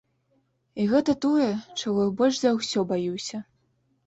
І гэта тое, чаго я больш за ўсё баюся.